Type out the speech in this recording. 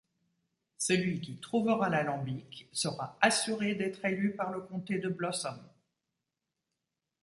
Celui qui trouvera l'alambic sera assuré d'être élu par le comté de Blossom.